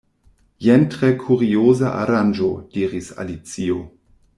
"Jen tre kurioza aranĝo," diris Alicio.